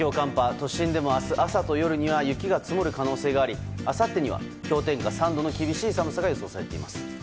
都心でも明日朝と夜には雪が積もる可能性がありあさってには氷点下３度の厳しい寒さが予想されています。